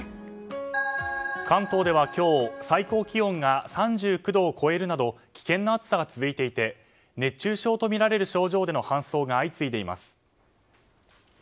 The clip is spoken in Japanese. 関東では今日、最高気温が３９度を超えるなど危険な暑さが続いていて熱中症とみられる症状での搬送が相次いでいます。